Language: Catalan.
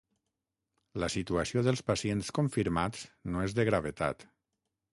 La situació dels pacients confirmats no és de gravetat.